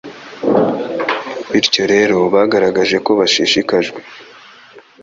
Bityo rero bagaragaje ko bashishikajwe